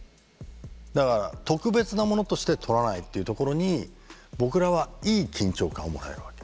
だから特別なものとして撮らないっていうところに僕らはいい緊張感をもらえるわけ。